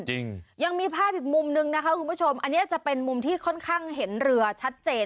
จริงยังมีภาพอีกมุมนึงนะคะคุณผู้ชมอันนี้จะเป็นมุมที่ค่อนข้างเห็นเรือชัดเจน